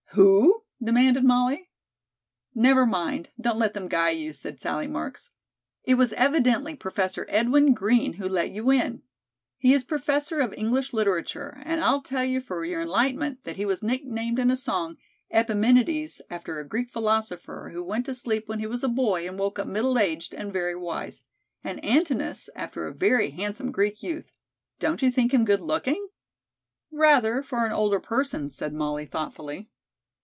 "Who?" demanded Molly. "Never mind, don't let them guy you," said Sallie Marks. "It was evidently Professor Edwin Green who let you in. He is professor of English literature, and I'll tell you for your enlightenment that he was nicknamed in a song 'Epiménides' after a Greek philosopher, who went to sleep when he was a boy and woke up middle aged and very wise, and 'Antinous' after a very handsome Greek youth. Don't you think him good looking?" "Rather, for an older person," said Molly thoughtfully.